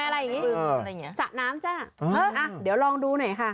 อะไรอย่างงี้ลืมอะไรอย่างเงี้สระน้ำจ้ะเอออ่ะเดี๋ยวลองดูหน่อยค่ะ